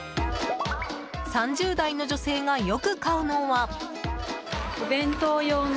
３０代の女性がよく買うのは。